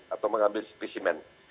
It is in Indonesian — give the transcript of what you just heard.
atau mengambil specimen